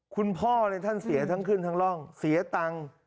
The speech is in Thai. คุณพ่อท่านเสียทั้งขึ้นทั้งร่องเสียตังค์